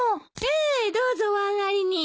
ええどうぞお上がりに。